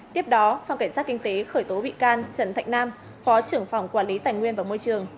tiếp đó phòng cảnh sát kinh tế khởi tố bị can trần thạnh nam phó trưởng phòng quản lý tài nguyên và môi trường